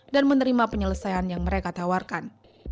dan menerima penyelesaian yang mereka tawarkan